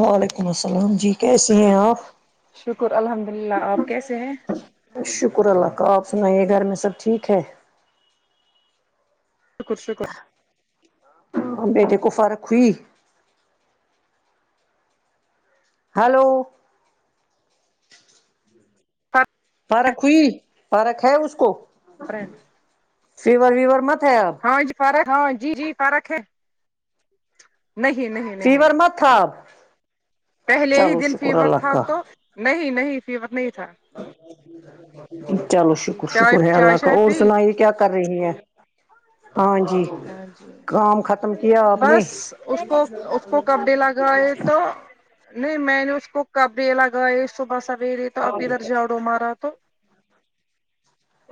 وعلیکم السلام جی کیسی ہیں آپ شکر الحمد للہ آپ کیسے ہیں شکر اللہ کا آپ سنائیے گھر میں سب ٹھیک ہے شکر شکر بیٹے کو فرق ہوئی ہلو فرق ہوئی فرق ہے اس کو فرینڈ فیور ویور مت ہے آپ ہاں جی فرق ہاں جی جی فرق ہے نہیں نہیں فیور مت تھا اب پہلے ہی چلو دن شکر فیور اللہ تھا کا تو نہیں نہیں فیور نہیں تھا چلو جی شکر چائے شکر ہے چائے اللہ کا شائے اور پی سناائیے کیا کر رہی ہے ہاں جی ہاں جی کام ختم کیا آپ نے بس اس کو اس کو کب ڈے لگائے تو نہیں میں نے اس کو کبڑے لگائے صبح سویرے تو اب ادھر جاڑو مارا تو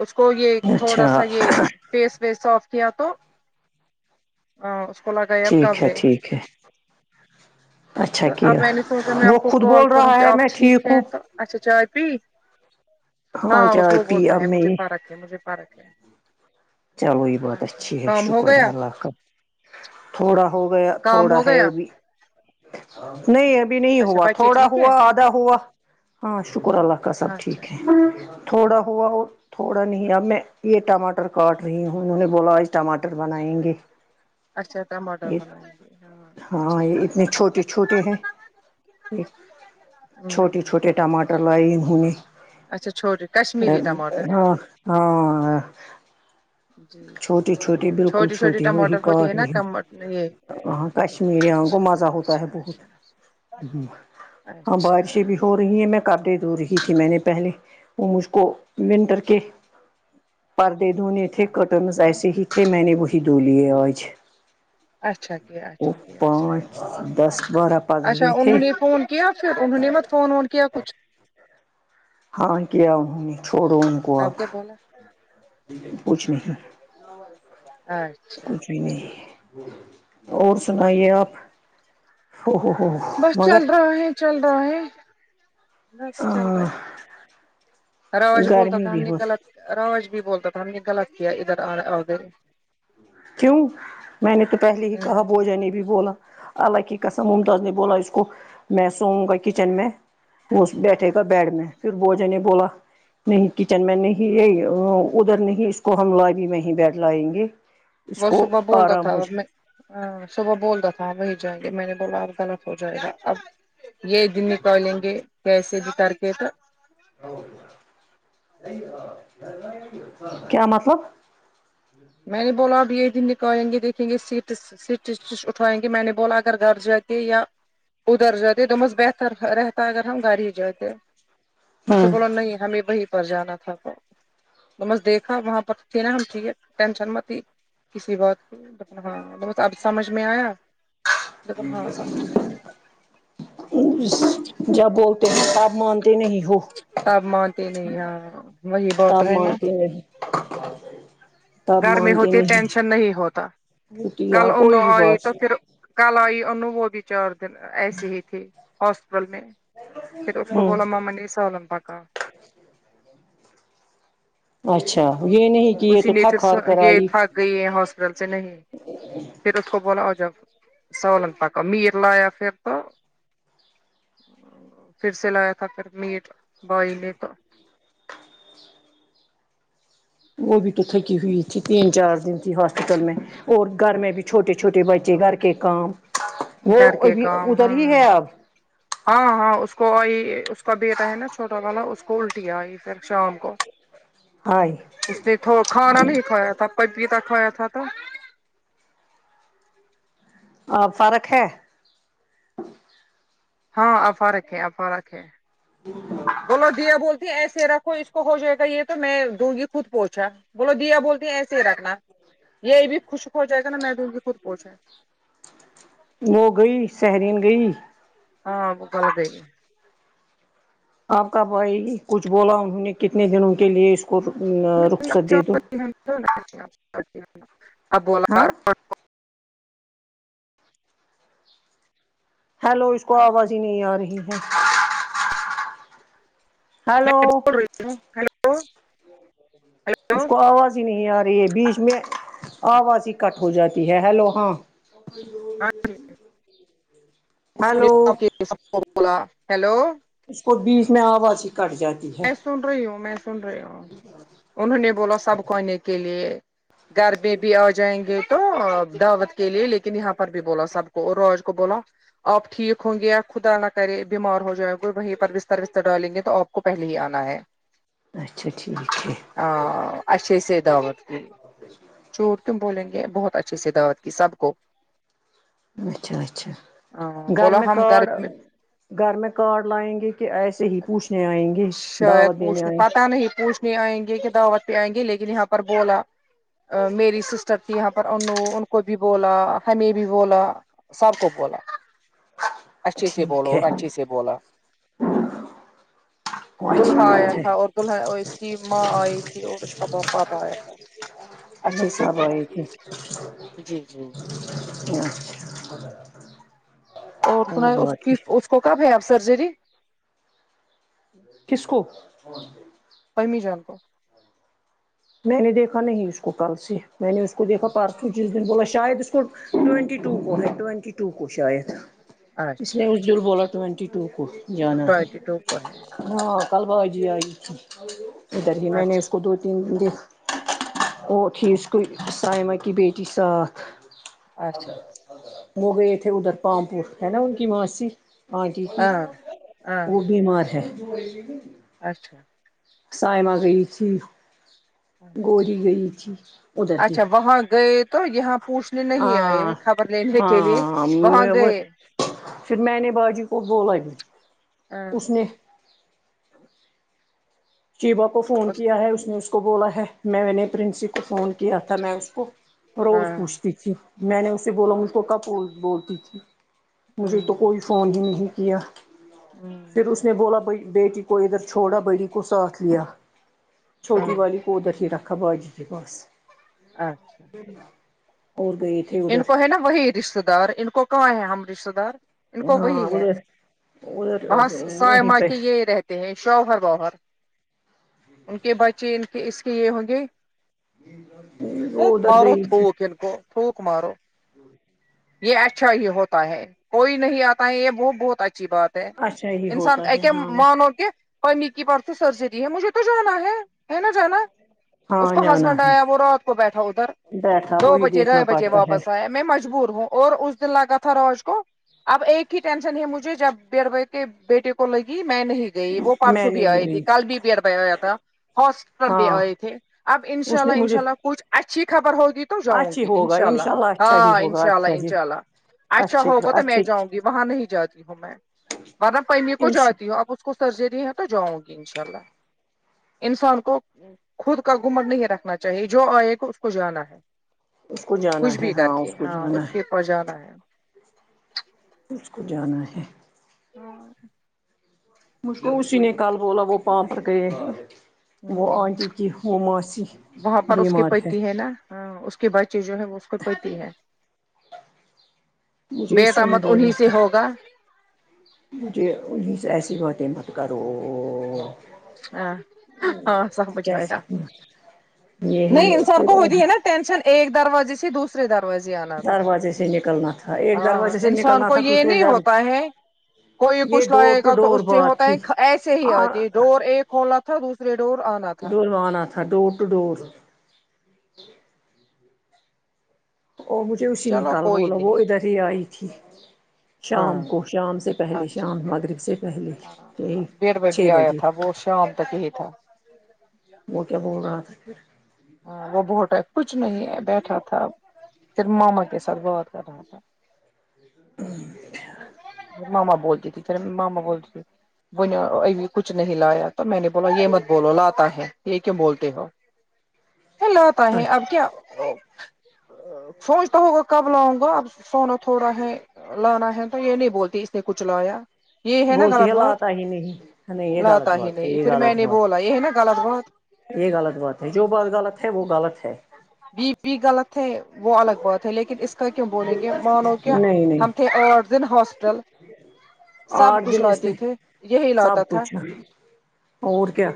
اس کو یے تھوڑا اچھا سا یے فیس ویس صاف کیا تو ہاں اس کو لگائے اب کپ ٹھیک ہے ڈے ٹھیک ہے اچھا تو اب کیا میں نے سوچا میں وہ آپ کو خود کال بول کروں رہا کہ ہے آپ میں ٹھیک ہوں ہیں تو اچھا چائے پی ہاں اس چائے وہ پی بولتا اب ہے میں مجھے یہ فرق ہے مجھے فرق ہے چلو یے بات اچھا اچھی ہے کام ہو شکر ہے گیا اللہ کا تھوڑا ہو گیا کام تھوڑا ہو ہے اور گیا ابھی نہیں ابھی نہیں اچھا ہوا بچے تھوڑا ٹھیک ہے ہوا آدھا ہوا ہاں شکر اللہ کا سب اچھا ٹھیک ہے تھوڑا ہوا اور تھوڑا نہیں اب میں یے ٹماٹر کاٹ رہی ہوں انہوں نے بولا آج ٹماٹر بنائیں گے اچھا ٹماٹر یہ بنائیں گے اچھی ہاں یہ بات ہے اتنے چھوٹے چھوٹے ہیں یہ چھوٹے ہمم چھوٹے ٹماٹر لائے انہوں نے اچھا چھوٹے کشمیری ٹماٹر ہاں ہاں جی جی چھوٹی جی چھوٹی جی بالکل چھوٹی وہی ٹماٹر ہوتی کاٹ ہے نا رہی کم یہ ہاں کشمیریاں کو اچھا مزہ ہوتا ہے اچھا بہت اچھا اچھا یے بھی ہو رہی ہیں میں کاپڑے دھو رہی تھی میں نے پہلے وہ مجھ کو ونٹر کے پردے دھونے تھے کٹنز ایسے ہی تھے میں نے وہی دھولیے آج اچھا کیا وہ اچھا کیا اچھا پانچ کیا دس بارہ اچھا پڑھری تھی انہوں نے فون کیا پھر انہوں نے مت فون وون کیا کچھ ہاں کیا انہوں نے چھوڑو ان کو آپ اب کیا بولا کچھ نہیں اچھا کچھ بھی اچھا نہیں اور سنائیے آپ ہو ہو ہو بس چل مگر رہا ہے چل رہا ہے بس چل رہا ہے رواج بولتا گرمی تھا ہم بھی نے بہت غلط راوج بھی بولتا تھا ہم نے غلط کیا ادھر آ آکے کیوں میں نے تو پہلے ہی کہا بوجا نے بھی بولا اللہ کی قسم ممتاز نے بولا اس کو میں سوؤں گا کچن میں وہ اس بیٹھے گا بیڈ میں پھر بوجا نے بولا نہیں کچن میں نہیں یہ ادھر نہیں اس کو ہم لابی میں بیٹھ لائیں گے اس وہ کو صبح بولتا آرام تھا اب ہوجات میں ہاں صبح بولتا تھا آپ وہی جائیں گے میں نے بولا اب غلط ہو جائے گا اب یہ دن نکالیں گے کیسے بھی کرکے تو کیا مطلب میں نے بولا اب یہ دن نکالیں گے دیکھیں گے سیٹس سٹیچڑس اٹھوائیں گے میں نے بولا اگر گھر جاکے یا ادھر جاتے دمس بہتر رہتا اگر ہم گھر ہی جاتے اس سے بولا نہیں ہمیں وہی پر جانا تھا تو تو بس دیکھا وہاں پر تھے ناں ہم ٹھیک ہے ٹینشن متی کسی کی ہاں بہت اب سمجھ میں آیا ہاں سمجھ میں آیا جب بولتے ہیں تب مانتے نہیں ہو تب مانتے نہیں ہاں وہی بہت تب ہے ناں مانتے [inaudible] تب گھر میں مانتے ہوتی ٹینشن نہیں ہوتا کل یہاں کوئی انوں بھی آئی بات تو پھر کل آئی انو وہ بھی چار دن ایسے ہی تھی ہاسپٹل میں پھر اس کو ہ بولا مما نے سالن پکا اچھا یہ نہیں کہ یہ اسی تو نے تھک ہار پھر کر یہ آئی تھک گئی ہاسپٹل سے نہیں پھر اس کو بولا آجاؤ سولن پکا میر لایا پھر تو پھر سے لایا تھا پھر میٹ بوائل یہ تو وہ بھی تو تھکی ہوئی تھی تین چار دن تھی ہاسپٹل میں اور گھر میں بھی چھوٹے چھوٹے بچے گھر کے کام وہ گھر کے ابھی کام ادھر ہاں ہی ہے اب ہاں ہاں اس کو اس کا بیٹا ہے ناں چھوٹا والا اس کو کو الٹی آئی پھر شام کو آئی اس نے تو کھانا نہیں کھایا تھا پپیتا کھایا تھا تو اب فرق ہے ہاں اب فرق ہے اب فرق ہے [inaudible] بولو دیا بولتی ایسے رکھو اس کو ہوجائے گا یہ تو میں دوں گی خود پوچھا بولو دیا بولتی ایسے ہی رکھنا یہ بھی خوشک ہو جائے گا نا میں تم کی خود پوچھا وہ گئی سہرین گئی ہاں وہ کل گئی آپ کا بھائی کچھ بولا انہوں نے کتنے دنوں کے لیے اس کتو تم [inaudible] اب بولا ہاں ہلو اس کو آواز ہی نہیں آ رہی ہے ہلو تو اس کو آواز ہی نہیں آ رہی ہے بیچ میں آواز ہی کٹ ہو جاتی ہے ہیلو ہاں ہاں ہیلو [inaudible] کہ سب کو بولا ہیلو اس کو بیچ میں آواز ہی کٹ جاتی ہے میں سن رہی ہوں میں سن رہی ہوں انہوں نے بولا سب کو آنے کے لیے گھر میں بھی آ جائیں گے تو دعوت کے لیے لیکن یہاں پر بھی بولا سب کو اور رواج کو بولا آپ ٹھیک ہوں گےیا خدا نہ کرے بیمار ہو جائیں گے وہیں پر بستر وستر ڈالیں گے تو آپ کو پہلے ہی آنا ہے اچھا ٹھیک ہے ہا اچھا سے دعوت دی چوٹ کیو ں بولیں گے یہ بہت اچھے سے دعوت کی سب کو اچھا اچھا گھر بولا میں ہم کاڈ گھر میں گھر میں کارڈ لائیں گے کہ ایسے ہی پوچھنے آئیں گے شاید دعوت دینے پوچھنے آئیں گے؟ پتا نہیں پوچھنے آئیں گے کہ دعوت پہ آئیں گے لیکن یہاں پر بولا میری سسٹر تھی یہاں پر انوں ان کو بھی بولا ہمیں بھی بولا سب کو بولا اچھے سے بولو ٹھیک ہے اور اچھے سے بولا وہ اچھی دلہا آیا بات ہے تھا اور دلہا اس کی ماں آئی تھی اور اس کا پاپا آیا تھا اچھے نفسہ سے اب بولا آئی تھی جی جی جی جی جی اچھا اور وہ سناو اس بات بھی ککہ۔ اس کو کب ہے آپ سرجری کس کو امی جان کو میں نے دیکھا نہیں اس کو کل سے میں نے اس کو دیکھا اچھا پرسوں جس دن بولا شاید اس کو ٹوینٹی ٹو کو ہے ٹوینٹی ٹو کو شاید اس اچھا نے اچھا اچھا اجل بولا ٹوینٹی ٹو کو جانا ہے ٹوینٹی ٹو کو ہے ہاں کل باجی آئی تھی ادھر ہی میں نے اچھا اس کو دو تین اور تھی اس کوئی سائمہ کی بیٹی ساتھ اچھا وہ گئے تھے ادھر پامپور ہے نا ان کی ماسی ہاں جی جی ہاں ہاں وہ بیمار ہے اچھا سائما گئی تھی گوری گئی تھی ادھر ہی اچھا وہاں گئے تو یہاں پوچھنے نہیں آئے ہاں خبر لینے کے لیے ہاں وہاں گئے پھر میں نے باجی کو بولا بھی اس اچھا نے چیبہ کو فون کیا ہے اس نے اس کو بولا ہے میں نے پرنسپ پل کو فون کیا تھا میں اس کو روز پوچھتی تھی میں نے اسے بولا مجھ کو کب بول بولتی تھی مجھے تو کوئی فون بھی نہیں کیا پھر اس نے بولا بھائی بیٹی کو ادھر چھوڑا بڑی کو ساتھ لیا چھوٹی والی کو ادھر ہی رکھا باجی کے پاس اور گئی ان کو ہے نا وہی رشتے دار ان کو کہاں ہے ہم رشتے دار ان کو وہی ہاں ہے ادھر ادھر وہاں وہیں صائمہ پہ کے یہ رہتے تے ہیں شوہر ووہر ان کے بچے ان کے اس کے یہ ہوں گے پھوک وہ مارو تھک کو تھوک مارو ہوں یہ اچھا ہی ہوتا ہے کوئی نہیں آتا ہے یہ وہ بہت اچھی بات اچھا ہی انسان ہوتا ہے ایک ہاں مانو کے امی کی پر سے سرجری ہے مجھے تو جانا ہے ہے نا جانا اس ہاں کو جانا ہسبینڈ ہے آیا وہ رات کو بیٹھا ادھر بیٹھا دو وہی بجے دیکھنا ڈھائی بجے پڑتا ہے واپس آیا میں مجبور ہوں اور اس دن لگا تھا روج کو اب ایک ہی ٹینشن ہے مجھے جب دیور کے بیٹے کو لگی میں نہیں گئی وہ میں پرسوں بھی نہیں آئی تھی گئی کل بھی بیر ب آیا تھا ہاسپٹل بھی ہاں آئے تھے اب ان شاء اس نے اللہ ان مجھے شاء اللہ کچھ اچھی خبر ہوگی تو تو جاؤں اچھی گی ان ہوگا شاء اللہ انشاء اچھا ہی ہاں ہوگا انشاء اللہ اچھا ہی انشاء اللہ اچھا اچھے ہوگا تو میں اچھے جاؤں گی وہاں نہیں جاتی ہوں میں ورنہ پیمی کو انش جاتی ہوں اب اس کو سرجری ہے تو جاؤں گی انشاء اللہ انسان کو خود کا گھمنڈ نہیں رکھنا چاہیے جو آئے گا اس کو جانا ہے اس کو جانا کچھ ہے بھی کر ہاں کے کو ہاں اس جانا ہے کے بس جانا ہے اس کو جانا ہے ہاں مجھ کو اسی نے کل بولا وہ پام پر گئے وہ ہوں آنٹی کی وہ ماسی وہاں پر اس کے بیمار ہے پتی نا ہاں اس کی بچے جو ہے وہ اس کو پڑتی ہے مجھے اسی بیٹا نے مت انہی بولا سے پھر ہوگا مجھے ایسی باتیں مت کرو ہاں ہاں سمجھ آ یا کیسے یہی نہیں انسان پھر کو ہوتی ہے نا ٹینشن ایک دروازے سے دوس دوسرا دروازے آنا تھا دروازے سے نکلنا تھا ایک ہاں دروازے سے انسان نکلنا کو تھا یہ دوسرے نہیں در ہوتا ہے کوئی یہ کچھ ڈور لائے ٹو گا تو ڈور اس سے بات ہوتا تھی ہے ایسے ہی آتی ہے ڈور ایک کاولاد تھ دوسرے ڈور آنا تھا دونوں آنا تھا ڈور ٹو ڈور و مجھے اسی نے چلو کال کوئی بولا وہ نہیں ادھر ہی آئی تھی ہاں شام کو شام سے پہلے اچھا شام مغرب سے پہلے ہاں ڈیڑھ چھ آیا بجے تھا وہ شام تک ہی تھا وہ کیا بول رہا تھا پھر آ وہ بہت کچھ نہیں ہے بیٹھا تھا پھر ماما کے ساتھ بات کر رہا تھا مما بولتی تھی تیرے مما بولتی وہ ابھی کچھ نہیں لایا تو میں نے بولا یہ مت بولو لاتا ہے یہ کیوں بولتے ہو وہ لاتا ہے اب اچھا کیا سوچتا ہوگا کب لاؤں گا اب سونا تھوڑا ہے لانا ہے تو یہ نہیں بولتی اس نے کچھ لایا یہ ہے نا بولتی غلط بات لاتا ہی نہیں نہیں یہ غلط لاتا ہی بات ہے نہیں یہ پھر میں غلط نے بات بولا یہ ہے نا غلط بات یہ غلط بات ہے جو بات غلط ہے وہ غلط ہے بی پی غلط ہے وہ الگ بات ہے لیکن اس کا کیوں بولیں گے مانو کہ نہیں نہیں ہم تھے آٹھ دن ہاسپٹل سب آٹھ کچھ دن اس نے لاتے تھے یہی لاتا سب تھا کچھ اور کیا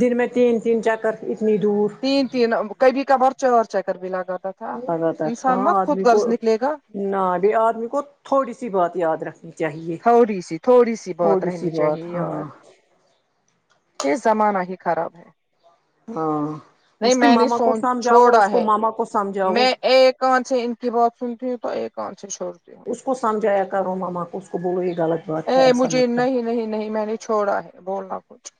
دن میں تین تین چکر اتنی دور تین تین امم کبھے کبار چار چکر بھی لاتا تھا کیا لاتا تھا انسان مت ہاں خود بلکل غرض نکلے گا نا جی آدمی کو تھوڑی سی بات یاد رکھنی چاہیے تھوڑی سی تھوڑی سی بات تھوڑی سی رہنی بات چاہیے ہاں یار ہاں یہ زمانہ ہی خراب ہے ہاں نہیں اس کے میں نے ماما کو سوچ سمجھاؤ وہ چھوڑا اس کو ہے ماما کو سمجھاوہ میں ایک کان سے ان کی بات سنتی ہوں تو ایک کان سے چھوڑتی ہوں اس کو سمجھایا کرو ماما کو اس کو بولو یہ غلط اے بات ہے ایسا مجھے مت کرو نہیں نہیں نہیں میں نے چھوڑا ہے بولنا کچھ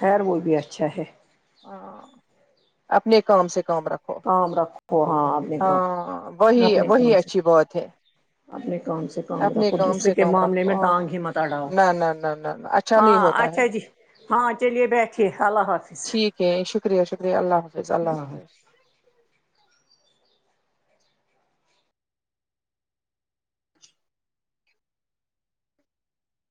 خیر وہ بھی اچھا ہے ہاں اپنے کام سے کام رکھ کام رکھو ہاں اپنے کام وہی اپنے کام وہی سے اچھی بات ہے اپنے کام سے کام اپنے رکھو کام دوسرے سے کے کام معاملے میں رکھو ٹانگ ہاں ہی مت اڑھاؤ نہ نہ نہ نہ اچھا نہیں ہاں ہوتا ہے اچھا جی ہاں چلیے بیٹھیے اللہ حافظ ٹھیک ہے شکریہ شکریہ اللہ حافظ اللہ حافظ